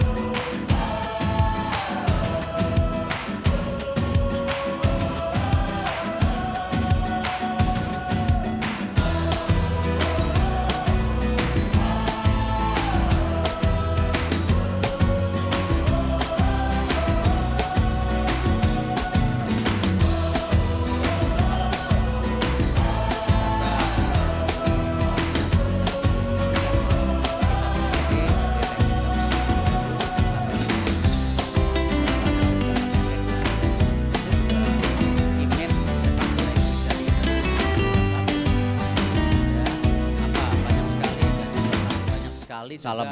banyak sekali juga